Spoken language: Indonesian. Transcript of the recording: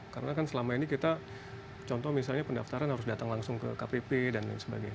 karena kan selama ini kita contoh misalnya pendaftaran harus datang langsung ke kpp dan lain sebagainya